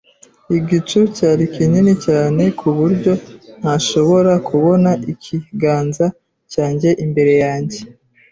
Igicu cyari kinini cyane ku buryo ntashobora kubona ikiganza cyanjye imbere yanjye.